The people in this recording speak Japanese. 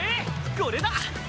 これだ！